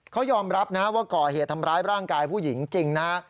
เขายอมรับนะว่าก่อเหตุทำร้ายร่างกายผู้หญิงจริงนะฮะ